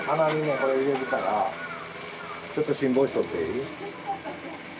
これ入れるからちょっと辛抱しとっていい？